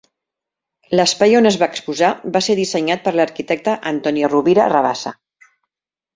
L'espai on es va exposar va ser dissenyat per l'arquitecte Antoni Rovira Rabassa.